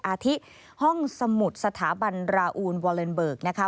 อาทิห้องสมุดสถาบันราอูลวอเลนเบิกนะคะ